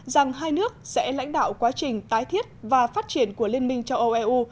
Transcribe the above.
rằng hai nước sẽ lãnh đạo quá trình tái thiết và phát triển của liên minh châu âu eu